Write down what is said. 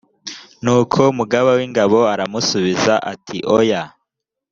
nuko mugaba w ingabo aramusubiza ati oya